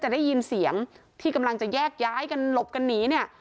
ได้ยินเสียงที่กำลังจะแยกย้ายกันหลบกันหนีเนี่ย